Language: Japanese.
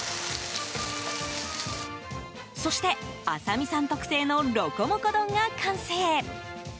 そして、麻美さん特製のロコモコ丼が完成。